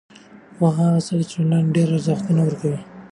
پوهه هغه څه ده چې ټولنې ته د ډېری ارزښتونه ورکوي.